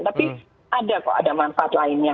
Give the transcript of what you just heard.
tapi ada kok ada manfaat lainnya